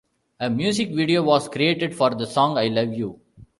A music video was created for the song "I Love You".